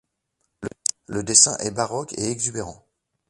Le dessin est baroque et exubérant.